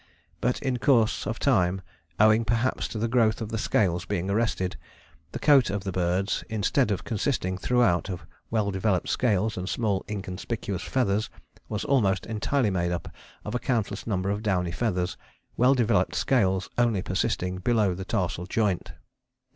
But in course of time, owing perhaps to the growth of the scales being arrested, the coat of the birds, instead of consisting throughout of well developed scales and small inconspicuous feathers, was almost entirely made up of a countless number of downy feathers, well developed scales only persisting below the tarsal joint.